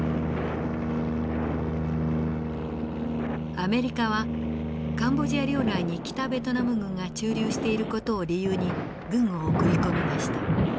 アメリカはカンボジア領内に北ベトナム軍が駐留している事を理由に軍を送り込みました。